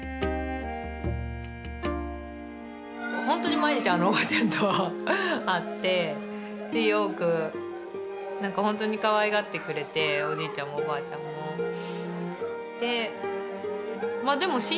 ほんとに毎日あのおばちゃんと会ってよくほんとにかわいがってくれておじいちゃんもおばあちゃんも。